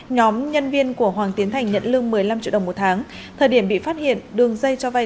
nhóm nhân viên của hoàng tiến thành nhận lương một mươi năm triệu đồng một tháng thời điểm bị phát hiện đường dây cho vay